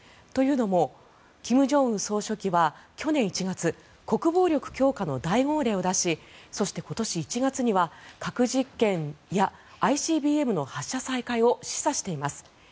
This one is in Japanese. というのも金正恩総書記は去年１月国防力強化の大号令を出しそして今年１月には核実験やＩＣＢＭの発射再開を示唆しています。